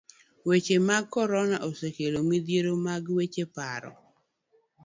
Weche mag korona osekelo midhiero mag weche paro.